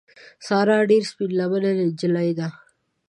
ساره ډېره سپین لمنې نجیلۍ ده.